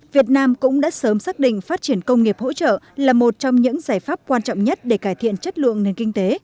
việt nam cũng đã sớm xác định phát triển công nghiệp hỗ trợ là một trong những giải pháp quan trọng nhất để cải thiện chất lượng nền kinh tế